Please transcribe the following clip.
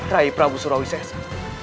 raih prabu surawi s a